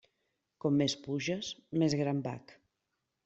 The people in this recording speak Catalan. Com més puges, més gran bac.